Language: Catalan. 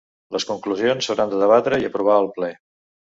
Les conclusions s’hauran de debatre i aprovar al ple.